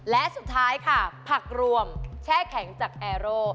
และสุดท้ายค่ะผักรวมแช่แข็งจากแอร์โร่